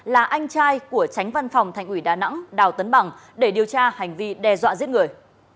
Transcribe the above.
là anh trai của tránh văn phòng thành ủy đà nẵng đào tấn bằng để điều tra hành vi đe dọa giết người